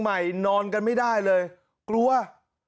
ใหม่นอนกันไม่ได้เลยกลัวว่า